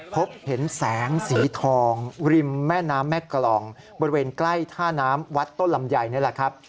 พบเห็นแสงสีทองริมแม่น้ำแม่กรองบริเวณใกล้ท่าน้ำวัดต้นลำไยนี่แหละครับ